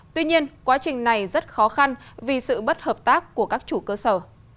tuy nhiên quá trình này rất khó khăn vì sự bất hợp tác của các chủ cơ sở